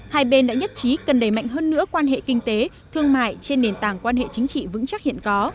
hai bên đã nhất trí cần đẩy mạnh hơn nữa quan hệ kinh tế thương mại trên nền tảng quan hệ chính trị vững chắc hiện có